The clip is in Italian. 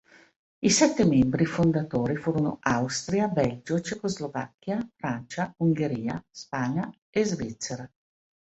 I sette membri fondatori furono Austria, Belgio, Cecoslovacchia, Francia, Ungheria, Spagna e Svizzera.